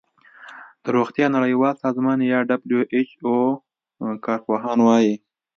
د روغتیا نړیوال سازمان یا ډبلیو ایچ او کار پوهان وايي